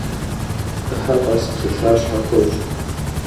Ӏыхьэ къэс псалъащхьэ хуэщӏ.